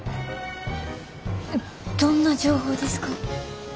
どんな情報ですか？